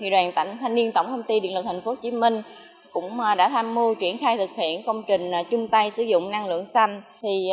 đoàn cảnh thanh niên tổng công ty điện lực tp hcm cũng đã tham mưu triển khai thực hiện công trình chung tay sử dụng năng lượng xanh